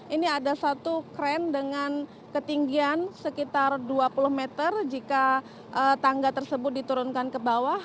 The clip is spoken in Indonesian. ini ada satu kren dengan ketinggian sekitar dua puluh meter jika tangga tersebut diturunkan ke bawah